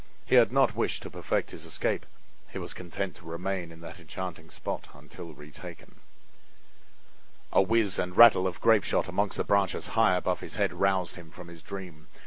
He had not wish to perfect his escape—he was content to remain in that enchanting spot until retaken. A whiz and a rattle of grapeshot among the branches high above his head roused him from his dream.